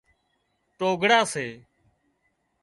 ٽوگھڙا سي